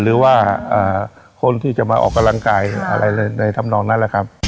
หรือว่าคนที่จะมาออกกำลังกายอะไรในทำนองนั้น